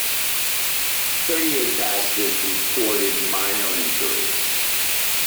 Thirty-eight passengers reported minor injuries.